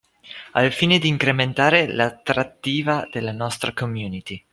Al fine di incrementare l'attrattiva della nostra community